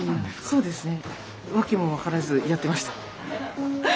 そうですね。